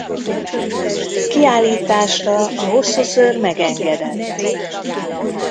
Kiállításra a hosszú szőr megengedett.